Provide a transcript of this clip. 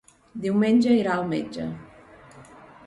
Diumenge irà al metge.